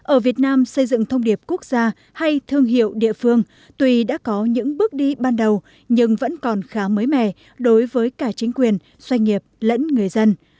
ở việt nam xây dựng thông điệp quốc gia hay thương hiệu địa phương tuy đã có những bước đi ban đầu nhưng vẫn còn khá mới mẻ đối với cả chính quyền doanh nghiệp lẫn người dân